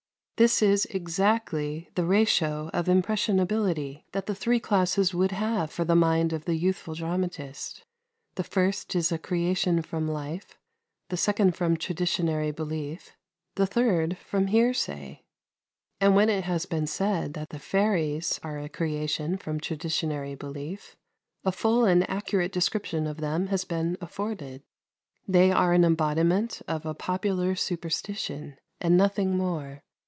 This is exactly the ratio of impressionability that the three classes would have for the mind of the youthful dramatist. The first is a creation from life, the second from traditionary belief, the third from hearsay. And when it has been said that the fairies are a creation from traditionary belief, a full and accurate description of them has been afforded. They are an embodiment of a popular superstition, and nothing more.